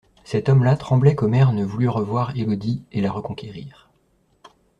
Cet homme-là tremblait qu'Omer ne voulût revoir Élodie, et la reconquérir.